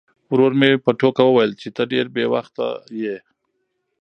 ورور مې په ټوکه وویل چې ته ډېر بې وخته یې.